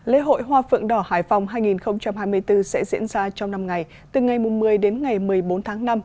lễ hội hoa phượng đỏ hải phòng hai nghìn hai mươi bốn sẽ diễn ra trong năm ngày từ ngày một mươi đến ngày một mươi bốn tháng năm